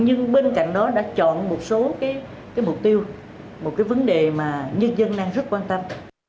nhưng bên cạnh đó đã chọn một số cái mục tiêu một cái vấn đề mà nhân dân đang rất quan tâm